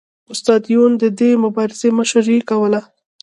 استاد یون د دې مبارزې مشري کوله